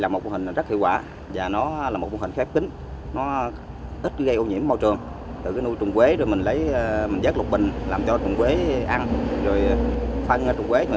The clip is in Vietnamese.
mô hình nuôi run quế kết hợp nuôi ếch cá khép kín không phải là mới